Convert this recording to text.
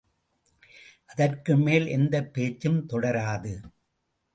அதற்கு மேல் எந்தப் பேச்சும் தொடராது.